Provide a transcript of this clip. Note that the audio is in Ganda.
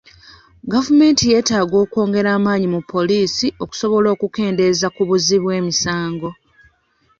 Gavumenti yeetaaga okwongera amaanyi mu poliisi okusobola okukendeeza ku buzzi bw'emisango.